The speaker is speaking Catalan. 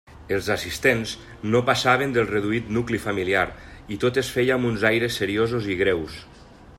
Els assistents no passaven del reduït nucli familiar i tot es feia amb uns aires seriosos i greus.